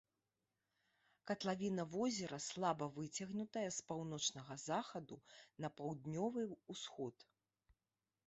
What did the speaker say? Катлавіна возера слаба выцягнутая з паўночнага захаду на паўднёвы ўсход.